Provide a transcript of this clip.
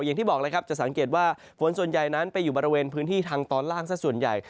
อย่างที่บอกเลยครับจะสังเกตว่าฝนส่วนใหญ่นั้นไปอยู่บริเวณพื้นที่ทางตอนล่างสักส่วนใหญ่